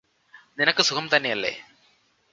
നിനക്ക് സുഖംതന്നെയല്ലേ